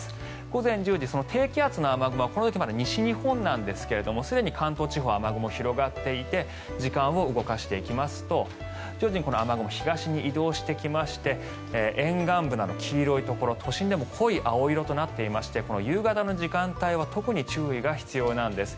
午前１０時、低気圧の雨雲はこの時まだ西日本なんですがすでに関東地方雨雲広がっていて時間を動かしていきますと徐々にこの雨雲が東に移動してきまして沿岸部など黄色いところ都心でも濃い青色となっていまして夕方の時間帯は特に注意が必要なんです。